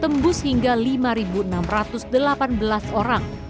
menanggung lima enam ratus delapan belas orang